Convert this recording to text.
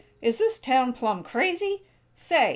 Is this town plumb crazy? Say!